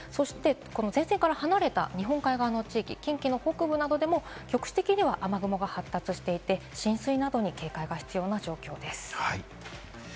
前線から離れた日本海側の地域でも、局地的には雨雲が発達していて、浸水などに注意が必要な状況です。